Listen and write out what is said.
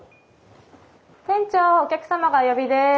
店長お客様がお呼びです。